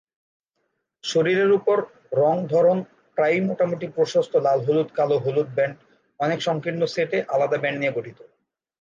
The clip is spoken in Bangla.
শরীরের উপর রঙ ধরন প্রায়ই মোটামুটি প্রশস্ত লাল হলুদ-কালো-হলুদ ব্যান্ড অনেক সংকীর্ণ সেটে আলাদা ব্যান্ড নিয়ে গঠিত।